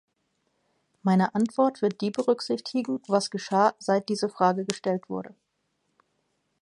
Meine Antwort wird die berücksichtigen, was geschah, seit diese Frage gestellt wurde.